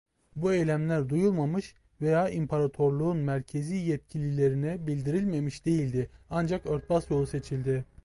Bu eylemler duyulmamış veya imparatorluğun merkezi yetkililerine bildirilmemiş değildi ancak örtbas yolu seçildi.